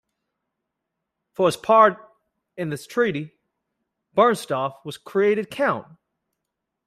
For his part in this treaty Bernstorff was created count.